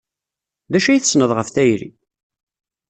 D acu ay tessned ɣef tayri?